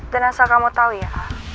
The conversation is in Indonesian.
dan asal kamu tahu ya